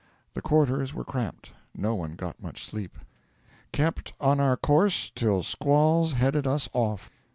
The quarters were cramped; no one got much sleep. 'Kept on our course till squalls headed us off.'